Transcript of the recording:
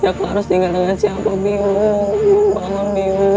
yang harus tinggal dengan siapa biu biu